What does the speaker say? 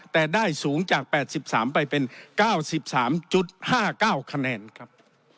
แต่ได้สูงจาก๘๓ไปเป็น๙๓๕๙คะแนนครับ